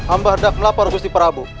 ambah redhhak melapor gusti prabu